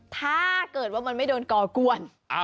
ถ้าเกิดว่ามันไม่โดนก่อกวน